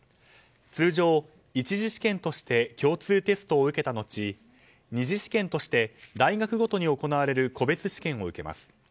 通常、１次試験として共通テストを受けた後２次試験として大学ごとに行われる個別試験を受けます。